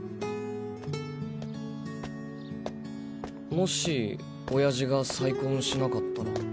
もし親父が再婚しなかったら。